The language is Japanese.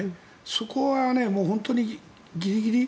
そこは本当にギリギリ。